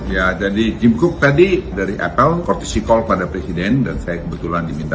ya jadi gym cook tadi dari apple portisi call pada presiden dan saya kebetulan diminta